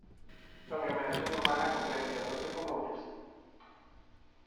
Su aglomeración urbana comprende catorce comunas.